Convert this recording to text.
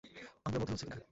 আংগুলের মধ্যে হচ্ছে কিনা।